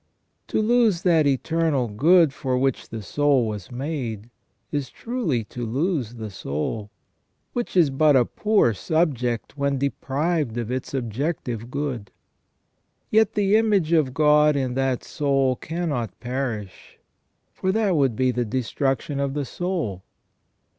To lose that eternal good for which the soul was made, is truly to lose the soul, which is but a poor subject when deprived of its objective good. Yet the image of God in that soul cannot perish, for that would be the destruction of the soul.